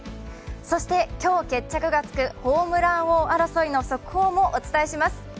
そして今日決着がつくホームラン王争いもお伝えします。